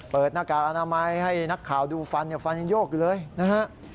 เปิดหน้ากากอนามัยให้นักข่าวดูฟันฟันยกเลยนะครับ